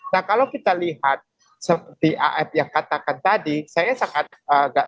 nah kalau kita lihat seperti af yang katakan tadi saya sangat nggak setuju juga dengan itu